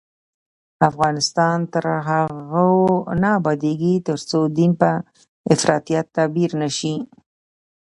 افغانستان تر هغو نه ابادیږي، ترڅو دین په افراطیت تعبیر نشي.